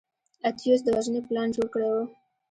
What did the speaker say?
اتیوس د وژنې پلان جوړ کړی و.